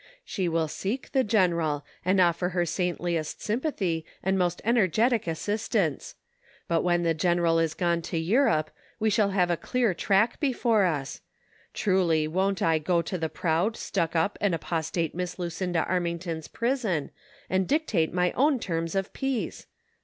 "She will seek the general, and offer her saintliest sym pathy and most energetic assistance ; but when the general is gone to Europe, we shall have a clear track before us ; truly, wont I go to the proud, stuck up and apostate Miss Lucinda Armington's prison, and dictate my own terms of peace.